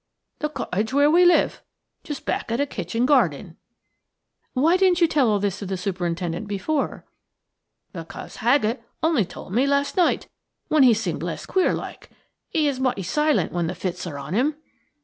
"The cottage where we live. Just back of the kitchen garden." "Why didn't you tell all this to the superintendent before?" "Because Haggett only told me last night, when he seemed less queer like. He is mighty silent when the fits are on him."